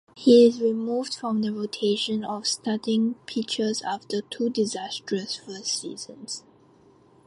He is removed from the rotation of starting pitchers after two disastrous first seasons.